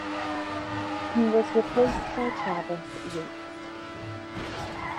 He was replaced by Travis Yates.